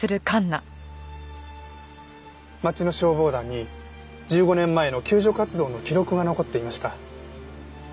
町の消防団に１５年前の救助活動の記録が残っていました。